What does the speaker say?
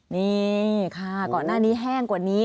นี่ค่ะก่อนหน้านี้แห้งกว่านี้